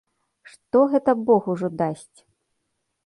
Што гэта бог ужо дасць?